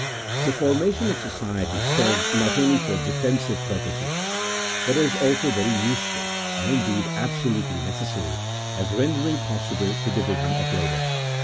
The formation of society serves not only for defensive purposes, but is also very useful, and, indeed, absolutely necessary, as rendering possible the division of labour.